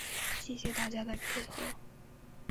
谢谢大家的配合